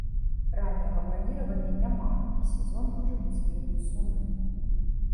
Ранняга браніравання няма, і сезон можа быць вельмі сумным.